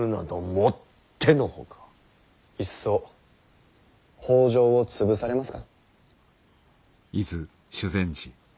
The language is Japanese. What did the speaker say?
いっそ北条を潰されますか。